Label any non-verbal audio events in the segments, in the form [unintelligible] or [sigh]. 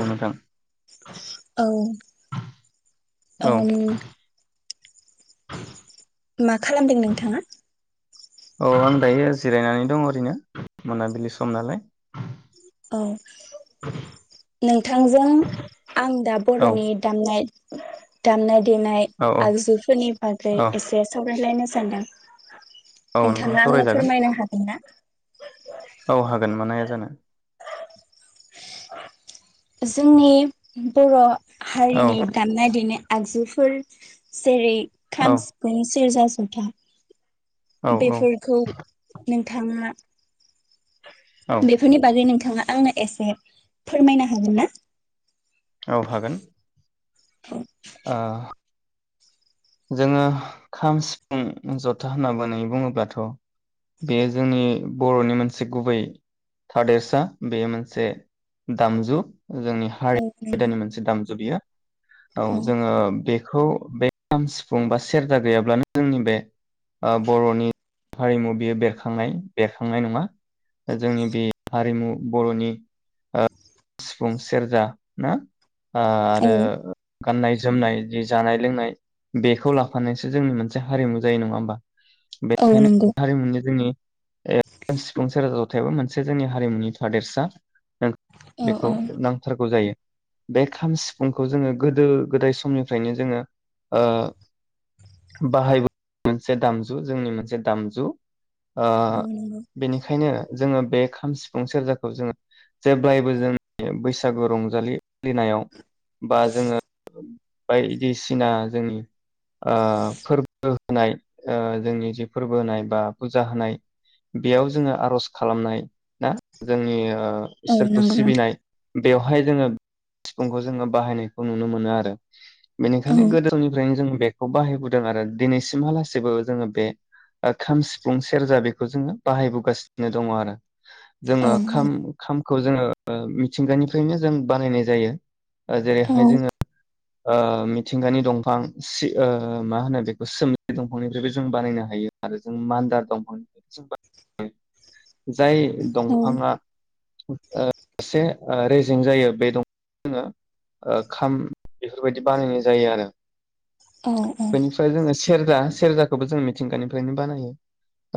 औ नोंथां औ औ आंहानि मा खालामदों नोंथाङा औ आं दायो जिरायनानै दं ओरैनो मोनाबिलि सम नालाय औ नोंथांजों आं दा औ बर'नि दामनाय दाननाय बिनाय औ औ आगजुफोरनि बागै औ एसे स बेलायनो सानदों औ नंगौ नोंथाङा आंनो सावरायजागोन फोरमायनो हागोन ना? औ हागोन मानो हाया जानो जोंनि बर' औ हारिनि दामनाय देनाय आगजुफोर जेरै खाम सिफुं सेरजा जथा औ औ बेफोरखौ नोंथाङा औ बेफोरनि बागै नों थाङा आंनो एसे फोरमायनो हागोन ना? औ हागोन [unintelligible] ओ जोङो खाम सिफुं जथा होनना बुंनानै बुङोब्लाथ बेयो जोंनि बर'नि मोनसे गुबै थादेरसा बेयो मोनसे दामजु जोंनि हारि आयदानि मोनसे दामजु बियो औ जोङो बे खौ बे खाम सिफुं बा सेरजा गैयाब्लानो जोंनि बे ओ बरनि हारिमु बियो बेरखांनाय बेरखांनाय नङा जोंनि बे हारिमु बरनि ओ सिफुं सेरजा ना आ आरो गाननाय जोमनाय जि जानाय लोंनाय बेखौ लाफानायसो जोंनि मोनसे हारिमु जायो नङा होमबा औ नंगौ औ बेनिखायनो नंगौ हारिमुनि जोंनि [unintelligible] नाथायबो मोनसे जोंनि हारिमुनि थादेरसा औ औ [unintelligible] नांथारगौ जायो बे खाम सिफुंखौ जोङो गोदो गोदाय समनिफ्रायनो जोङो ओ बाहायबो मोनसे दामजु जोंनि मोनसे दामजु ओ नंगौ बेनिखायनो जोङो बे खाम सिफुं सेरजाखौ जोङो जेब्लायबो जोंनि बैसागु रंजालि फालिनायाव बा जोङो बायदिसिना जोंनि फोरबो होनाय जोंनि जि फोरबो होनाय बा फुजा होनाय बेयाव जोङो आरज खालामनाय ना जोंनि ओ औ इसोरखौ नंगौ नोंथां सिबिनाय बेवहाय जोङो सिफुंखौ जोङो बाहायनायखौ नुनो मोनो आरो बेनिखायनो गोदो जों बेखौ बाहायबोदों आरो दिनैसिमहालासिबो जोङो बे खाम सिफुं सेरजा बेखौ जोङो बाहायबोगासिनो दङ आरो औ जोङो खाम [unintelligible] खौ जोङो मिथिंगानिफ्रायनो जों बानायनाय जायो जेरै औ हाय जोङो ओ मिथिंगानि दंफां सि मा होनो बेखौ सोमलि दंफांनिफ्रायबो जों बानायनो हायो आरो जों मान्दार दंफांनिफ्राय जों जाय दंफाङा ओ सासे रेजें जायो बे दं जोङो खाम बेफोरबायदि बाहायनाय जायो आरो औ बेनिफ्राय जोङो सेरजा, सेरजाखौबो जों मिथिंगानिफ्रायनो बानायो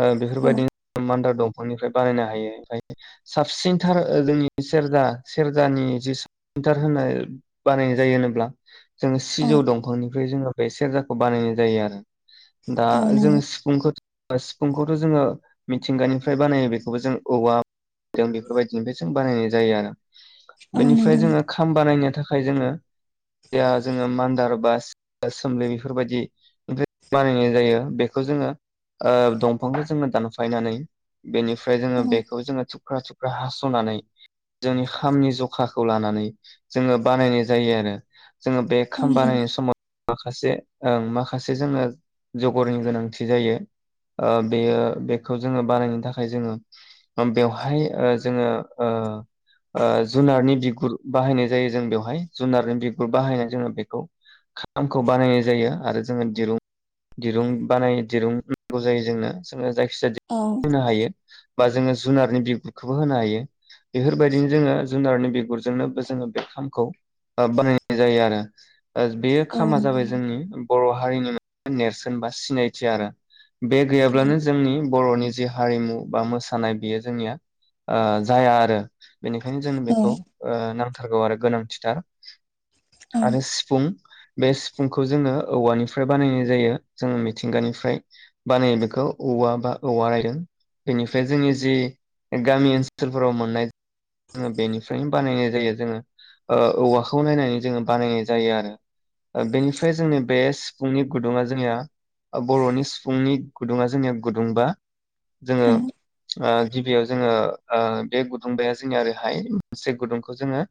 ओ औ बेफोरबायदिनो मान्दार दं बेनिफ्राय बानायनो हायो साबसिनथार जोंनि सेरजा, सेरजानि साबसिनथार होनो बानायनाय जायो [unintelligible] जों औ सिजौ दंफांनि ओमफ्राय जोङो बे सेरजाखौ बानायनाय जायो आरो। दा औ जों नंगौ सिफुंखौ। सिफुंखौथ जोङो मिथिंगानिफ्राय बानायो बेखौबो जों औवाजों बेफोरबायदिनिफ्राय जों बानायनाय जायो आरो। औ बेनिफ्राय नंगौ जोङो खाम बानायनो थाखाय जोङो जोंहा जोङो मान्दार बा सोमलि बेफोरबायदि बानायनाय जायो बेखौ जोङो ओ दंफांखौ जोङो दानफायनानै बेनिफ्राय जोङो नोंथां बेखौ जोङो थुख्रा थुख्रा हासनानै जोंनि खामनि जखाखौ लानानै जोङो बानायनाय जायो आरो। जोङो बे औ खाम नंगौ बानायनाय समाव माखासे ओम माखासे जोङो जगरनि गोनांथि जायो बेयो बेखौ जोङो बानायनो थाखाय जोङो बेवहाय ओ जोङो ओ ओ जुनारनि बिगुर बाहायनाय जायो जों बेवहाय जुनारनि बिगुर बाहायनाय जोङो बेखौ खामखौ बानायनाय जायो आरो जोङो दिरुं दिरुं बानाय दिरुं नांगौ जायो जोंनो जों जायखौ औ होनो हायो। बा जोङो जुनारनि बिगुरखौबो होनो हायो बेफोरबायदिनो जोङो जुनारनि बिगुरजोंनोबो जोङो बे खामखौ बानाय जायो आरो। बे औ खामा नंगौ जाबाय नोंथां जोंनि बर' हारि हारिनि मोनसे नेर्सोन बा सिनायथि आरो। बे गैयाब्लानो जोंनि बर'नि जि हारिमु बा मोसानाय बेयो जोंनिया ओ जाया आरो। बेनिखायनो जों औ बेखौ नांगौ। नांथारगोै आरो गोनांथिथार। औ आरो सिफुं बे सिफुंखौ जोङो औवानिफ्राय बानायनाय जायो जोङो मिथिंगानिफ्राय बानायो बेखौ औवा बा औवा रायदों बेनिफ्राय जोंनि जि गामि ओनसोलफोराव मोननाय बेनिफ्रायनो बानायनाय जायो जोङो औवाखौ खौ नायनानै जोङो बानायनाय जायो आरो। बेनिफ्राय जोंनि बेस्ट सिफुंनि गुदुङा जोंनिया बर'नि सिफुंनि गुदुङा जोंनिया गुदुंबा जोङो ओ गिबियाव जोङो ओ बे गुदुंबाया जोंनि ओरैहाय मोनसे गुदुंखौ जोङो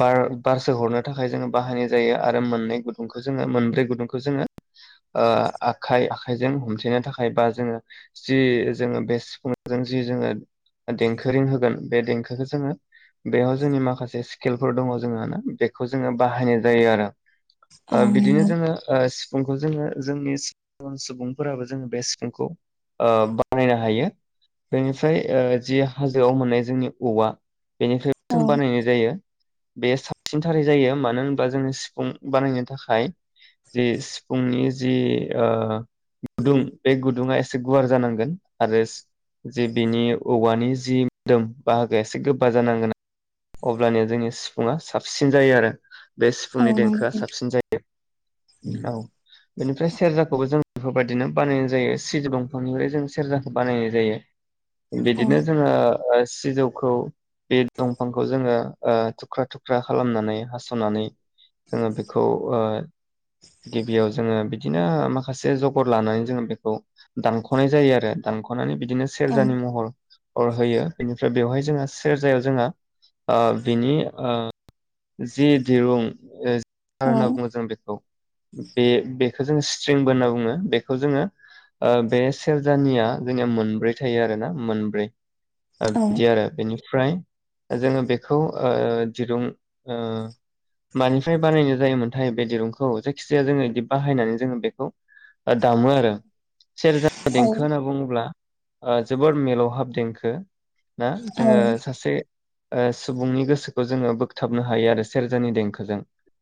बार बार सोहरनो थाखाय जोङो बाहायनाय जायो आरो मोननै गुदुंखौ जोङो मोनब्रै गुदुंखौ जोङो आखाइ आखाइजों हमथेनो थाखाय बा जोङो बेखौ जोङो बाहायनाय जायो आरो। औ ओ बिदिनो नंगौ जोङो ओ सिफुं सिफुंखौ जोङो जोंनि सुबुंफोराबो जों बे सिफुंखौ ओ बानायनो हायो बेनिफ्राय ओ जि हाजोआव मोननाय जोंनि औवा बेनिफ्राय जों औ बानायनाय जायो। बे सा सिनथारै जायो मानो होनबा जोङो सिफुं बानायनो थाखाय जे सिफुंनि जि आ गुदुं बे गुदुङा एसे गुवार जानांगोन आरो जि बिनि औवानि जि मोदोम बाहागोआ एसे गोबा जानांगोन। अब्लानिया जोंनि सिफुङा साबसिन जायो आरो। बे औ सिफुंनि नंगौ देंखोआ नोंथां साबसिन जायो। औ बेनिफ्राय सेरजाखौबो जों बेफोरबायदिनो बानायनाय जायो सिसु दंफांनिफ्राय जों सेरजाखौ बानायनाय जायो औ बिदिनो जोङो ओ सिजौखौ बे दं फांखौ जोङो ओ थुख्रा थुख्रा खालामनानै हासनानै जोङो बेखौ गिबियाव जोङो बिदिनो माखासे जगर लानानै जोङो बेखौ दानखनाय जायो आरो दानखनानै बि बिदिनो औ सेरजानि महर होयो बेनिफ्राय बेवहाय जोंहा सेरजायाव जोंहा आ बिनि ओ जि दिरुं ओ [unintelligible] औ होनना बुङो जों बेखौ बे बेखौ जोङो स्ट्रिंबो होनना बुङो बेखौ जोङो बे सेरजानिया जोंनिया मोनब्रै थायो आरोना मोनब्रै आ औ बिदि आरो बेनि फ्राय जोङो बेखौ ओ दिरुं ओ मानिफ्राय बानायनाय जायोमोनथाय बे दिरुंखौ जायखि जाया जोङो बिदि बाहायनानै जोङो बेखौ दामो आरो सेरजा औ देंखो होनना बुङोब्ला ओ जोबोर मिलौहाब देंखो ना औ जोङो सासे ओ सुबुंनि गोसोखौ जोङो बोगथाबनो हायो आरो सेरजानि देंखोजों।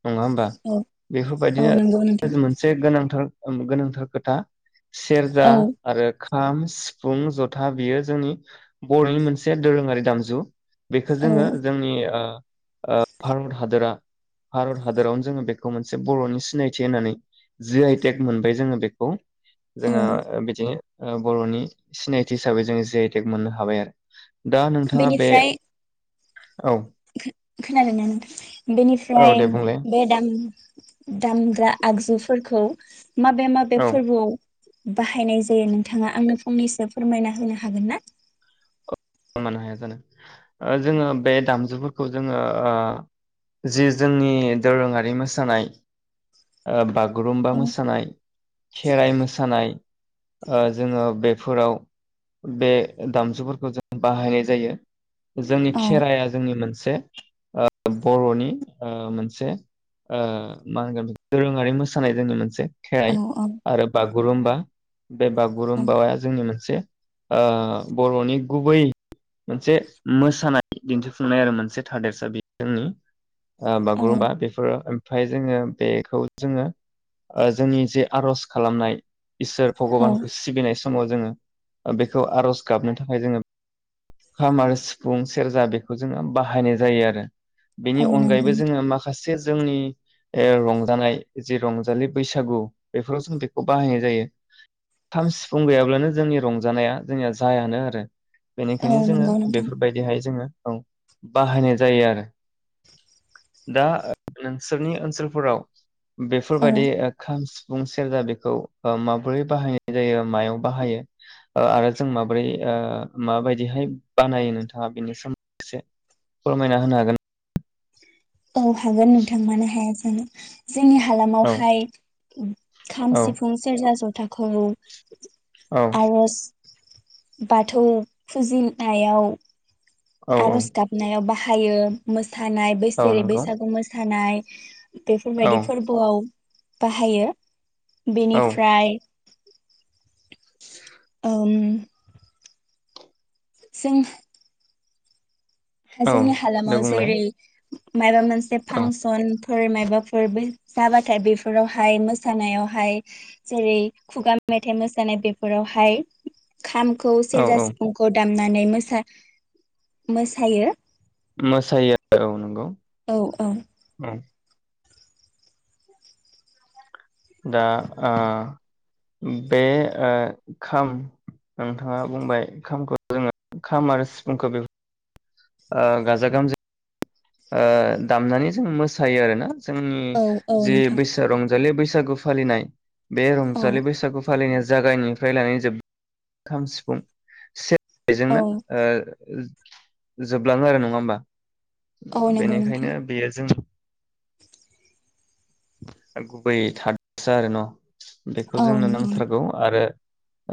नङा होमबा औ औ नंगौ नोंथां बेफोरबायदिनो मोनसे गोनांथार। ओ गोनांथार खोथा। सेरजा औ आरो खा खाम सिफुं जथा बियो जोंनि बरनि मोनसे दोरोङारि दामजु। बेखौ औ जोङो जोंनि ओ ओ भारत हादरा। भारत हादरावनो जोङो बेखौ मोनसे बरनि सिनायथि होननानै जि आइटेक मोनबाय जोङो बेखौ। औ जोंङो बिदिनो। ओ बरनि सिनायथि हिसाबै जोङो जि आइ टेक मोननो हाबाय आरो। दा नोंथाङा बे। औ। खो खोनादोंना नोंथां। औ बेनिफ्राय दे बुंलाय बे दाम। दामग्रा आगजुफोरखौ। माबे माबे औ फोर्बोआव। बाहायनाय जायो नोंथाङा आंनो फंनैसो फोरमायना होनो हागोन ना? मानो हाया जानो? जोङो बे दामजुफोर खौ जोङो ओ जि जोंनि दोरोङारि मोसानाय ओ बागु गुरुम्बा औ मोसानाय खेराइ मोसानाय ओ जोङो बेफोराव बे दामजुफोरखौ जों बाहायनाय जायो। जोंनि औ खेराया जोंनि मोनसे से ओ बर'नि ओ मोनसे ओ मा होनगोन बेखौ दोरोङारि मोसानाय जोंनि मोनसे। औ खेेराइ औ आरो बागु गुरुमबा। बे बागुरुम्बाया जोंनि मोनसे ओ बर'नि गुबै मोनसे मोसानाय दिन्थिफुंनाय आरो मोनसे थादेरसा बि जोंनि। बागुरुमबा औ बेफोरो ओमफ्राय जोङो बेखौ जोङो जोंनि जे आरज खालामनाय। इसोर औ भगबानखौ सिबिनाय समाव जोङो बेखौ आर'ज गाबनो थाखाय जोङो खाम आरो सिफुं, सेरजा बेखौ जोङो बाहायनाय जायो आरो। बेनि औ नंगौ अनगायैबो जोङो माखासे जे जोंनि ओ रंजानाय जि रंजालि बैसागु बेफोराव जों बेखौ बाहायनाय जायो। खाम सिफुं गैयाब्लानो जोंनि रंजानाया जोंनिया जायानो आरो। औ ओंखायनो जोङो नंगौ नोंथां बेफोरबायदिहाय जोङो औ। बाहायनाय जायो आरो। दा नोंसोरनि ओनसोलफोराव औ बेफोरबायदि ओ खाम, सि फुं, सेरजा बेखौ माब्रै बाहानाय जायो मायाव‌ बाहायो आरो जों माब्रै ओ मा बायदि दिहाय बानायो नोंथाङा बेनि सोमोन्दै एसे फोरमायना होनो हागोन? औ हागोन नोंथां मानो हाया‌ जा नो? जोंनि औ हालामावहाय खाम, औ सिफुं, सेरजा, जथा खौ औ आर'ज बाथौ फुजिनायाव औ आरज गाबनायाव बाहाय हायो मोज मोसानाय औ बैसोरो नंगौ बैसागु मोसानाय। [inaudible] औ बेफोरबायदि फोरबोआव बाहायो। औ बेनिफ्राय [inaudible] ओम जोंह औ जोंनि दे हालामाव बुंलाय जेरै मायबा मोनसे औ फांसन फोर माबाफोर जाबाथाय बेफोरावहाय मोसानायावहाय जेरै खुगा मेथाइ मोसानाय बेफोरावहाय खामखौ औ सेरजा औ सिफुंखौ दाम अनानै मोसा मोस थायो। मोसायो औ नंगौ। औ औ औ दा ओ बे ओ खाम नोंथाङा बुंबाय खामखौ जोङो खाम आरो सिफुंखौ बेफ ओ गाजा गोमजायै ओ दामनानै जों मोसायो आरो ना। जोंनि औ औ जि नोंथां बैसा रंजालि बैसो सागु फालिनाय। बे औ रंजालि बैसागु फालिनाया जो जागायनिफ्राय लानानै जोब खाम सिफुं से औ बेजोंनो ओ जोबलाङो आरो नङा होमबा। औ नंगौ नोंथां बेनिखायनो बेयो जों गुबै थादसा आरो न। बेखौ औ जोंनो नंगौ नांथारगौ आरो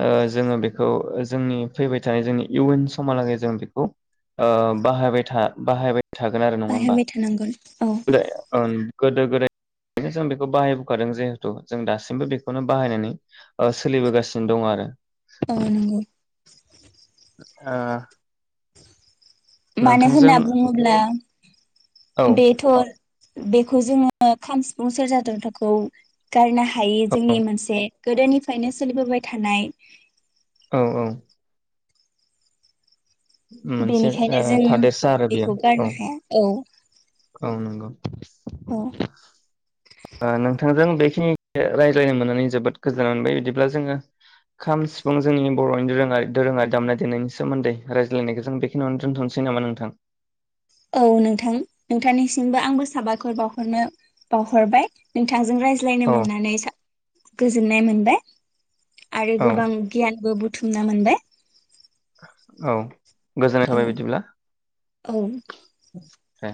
ओ जोङो बेखौ ओज जोंनि फैबाय थानाय जोंनि इयुन समहालागे जों बेखौ ओ बाहायबायथा बाहायबाय थागोन आरो नङा होमबा बाहायबाय थानांगोन औ ओम। गोदो गोदायनो जों बेखौ बाहायबोखादों जिहेथु जों दासिमबो बेखौनो बाहायनानै ओ सोलिबोगासिनो दं आरो औ नंगौ। ओ मानो नोंथांजों होनना बुङोब्ला औ बेथ बेखौ जोङो खाम सिफुं सेरजा दरथाखौ गारनो हा हायि औ जोंनि मोनसे गोदोनिफ्रायनो सोलिबोबाय थानाय औ औ मोनसे ओ बेनिखायनो जों थादेरसा आरो बेयो बेखौ औ गारनो हाया औ औ नंगौ औ ओ नोंथांजों बेखिनि रायज्लायनो मोननानै जोबोद गोजोननाय मोनबाय बिदिब्ला जोङो खाम सिफुं जोंनि बरनि दोरोङारि दोरोङारि दामनाय देनायनि सोमोन्दै रायज्लायनायखौ जों बेखिनियावनो दोनथनोसै नामा नोंथां औ नोंथां नोंथांनिसिमबो आंबो साबायखर बावहरनो बावहरबाय नोंथां जों रायज्लायनो औ मोननानै गोजोननाय मोनबाय आरो औ गोबां गियानबो बु बुथुमना मोनबाय औ गोजोननाय थाबाय बिदिब्ला औ औ हे